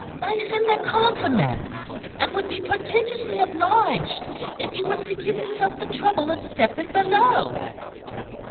"They send their compliments, and would be prodigiously obliged if you was to give yourself the trouble of stepping below."